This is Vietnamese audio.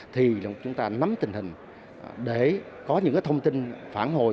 thì chúng ta nắm tình hình để có những thông tin phản hồi